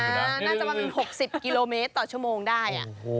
น่าจะประมาณ๖๐กิโลเมตรต่อชั่วโมงได้